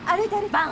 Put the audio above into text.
バン！